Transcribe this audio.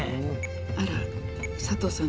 あら、佐藤さん